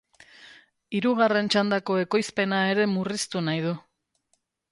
Hirugarren txandako ekoizpena ere murriztu nahi du.